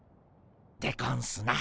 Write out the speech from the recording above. でゴンスな。